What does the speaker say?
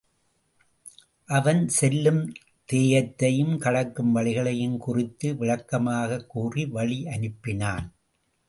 அவன் செல்லும் தேயத்தையும், கடக்கும் வழிகளையும் குறித்து விளக்கமாகக் கூறி வழி அனுப்பினான்.